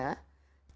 tidak ada perbandingan